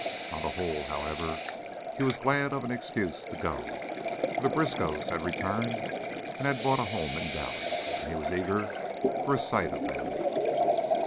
On the whole, however, he was glad of an excuse to go, for the Briskows had returned and had bought a home in Dallas, and he was eager for a sight of them.